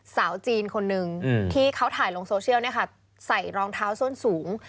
สาวจีนคนหนึ่งที่เขาถ่ายลงโซเชียลใส่รองเท้าส้นสูง